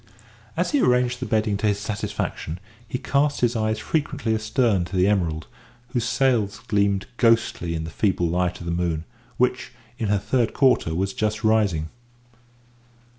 As he arranged the bedding to his satisfaction, he cast his eyes frequently astern to the Emerald, whose sails gleamed ghostly in the feeble light of the moon, which, in her third quarter, was just rising.